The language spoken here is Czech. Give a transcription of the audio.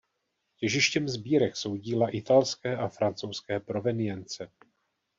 Těžištěm sbírek jsou díla italské a francouzské provenience.